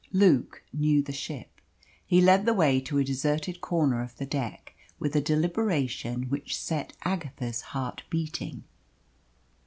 Luke knew the ship. He led the way to a deserted corner of the deck, with a deliberation which set Agatha's heart beating.